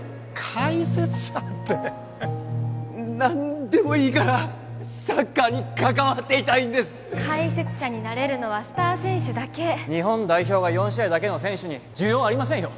解説者って何でもいいからサッカーに関わっていたいんです解説者になれるのはスター選手だけ日本代表が４試合だけの選手に需要はありませんよ